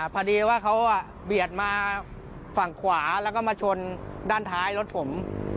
พอดีว่าเขาเบียดมาฝั่งขวาแล้วก็มาชนด้านท้ายรถผม